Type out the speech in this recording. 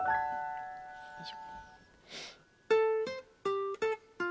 よいしょ。